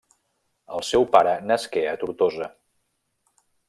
El seu pare nasqué a Tortosa.